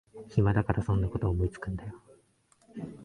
暇だからそんなこと思いつくんだよ